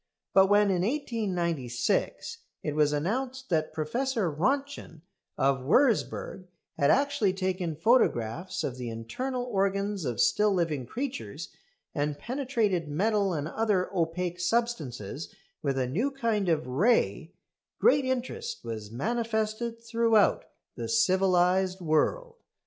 But when, in 1896, it was announced that Professor Röntgen of Würzburg had actually taken photographs of the internal organs of still living creatures, and penetrated metal and other opaque substances with a new kind of ray, great interest was manifested throughout the civilised world.